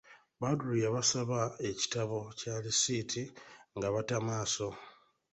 Badru yabasaba ekitabo kya lisiiti nga bata maaso.